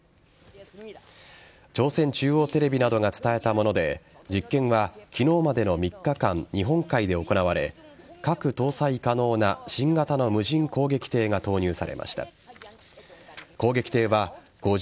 朝鮮中央テレビなどが伝えたもので実験は昨日までの３日間日本海で行われ核搭載可能な新型の無人攻撃艇が投入されました。